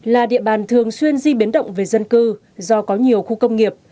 là địa bàn thường xuyên di biến động về dân cư do có nhiều khu công nghiệp